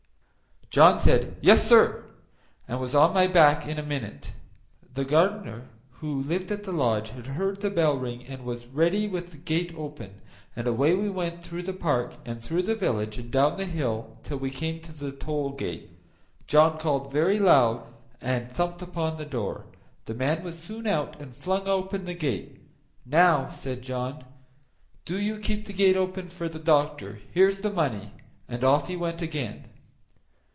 John said, "Yes, sir," and was on my back in a minute. The gardener who lived at the lodge had heard the bell ring, and was ready with the gate open, and away we went through the park, and through the village, and down the hill till we came to the toll gate. John called very loud and thumped upon the door; the man was soon out and flung open the gate. "Now," said John, "do you keep the gate open for the doctor; here's the money," and off he went again.